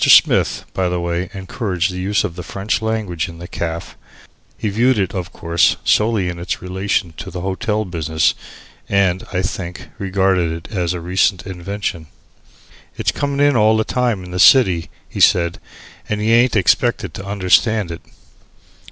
Smith, by the way, encouraged the use of the French language in the caff. He viewed it, of course, solely in its relation to the hotel business, and, I think, regarded it as a recent invention. "It's comin' in all the time in the city," he said, "and y'aint expected to understand it."